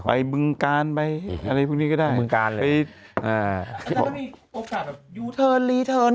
ไปเมืองกาลไปอะไรพวกนี้ก็ได้เมืองกาลเลย